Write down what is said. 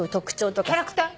「キャラクター」？